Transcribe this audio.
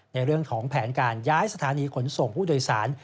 ในเรื่องของแผนการย้ายสถานีขนส่งผู้โดยสาร